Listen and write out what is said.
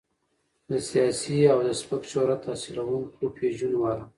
د سياسي او د سپک شهرت حاصلونکو پېجونو والا